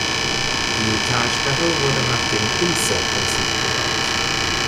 Die Talsperre wurde nach dem Intze-Prinzip gebaut.